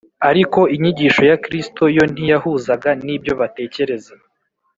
ariko inyigisho ya kristo yo ntiyahuzaga n’ibyo batekereza